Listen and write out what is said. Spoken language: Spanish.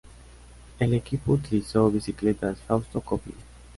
El equipo utilizó bicicletas Fausto Coppi.